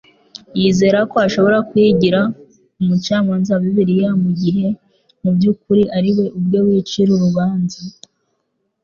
Yizera ko ashobora kwigira umucamanza wa Bibliya mu gihe mu by'ukuri ari we ubwe wicira urubanza.